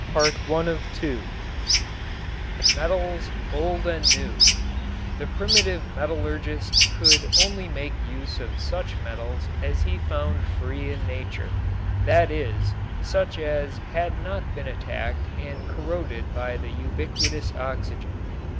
CHAPTER XIV METALS, OLD AND NEW The primitive metallurgist could only make use of such metals as he found free in nature, that is, such as had not been attacked and corroded by the ubiquitous oxygen.